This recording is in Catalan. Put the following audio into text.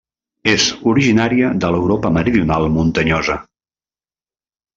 És originària de l'Europa meridional muntanyosa.